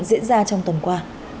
diễn ra trong tuần qua